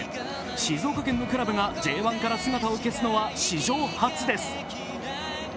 静岡県のクラブがＪ１から姿を消すのは、史上初です。